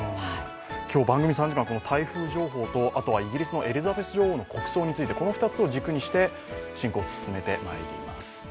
今日、番組３時間、この台風情報とイギリスのエリザベス女王の国葬について、この２つを軸にして進行を進めてまいります。